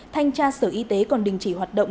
thanh tra sở y tế còn đình chỉ hoạt động